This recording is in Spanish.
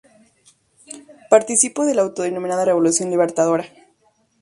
Participó de la autodenominada Revolución Libertadora.